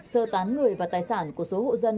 sơ tán người và tài sản của số hộ dân